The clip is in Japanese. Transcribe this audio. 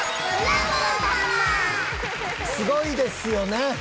すごいですよね。